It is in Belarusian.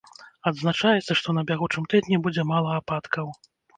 Адзначаецца, што на бягучым тыдні будзе мала ападкаў.